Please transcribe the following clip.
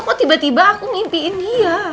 kok tiba tiba aku mimpiin dia